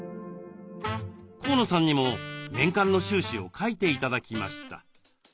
河野さんにも年間の収支を書いて頂きました。